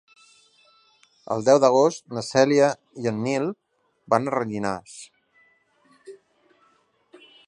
El deu d'agost na Cèlia i en Nil van a Rellinars.